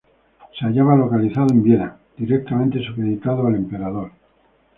Se hallaba localizado en Viena, directamente supeditado al emperador.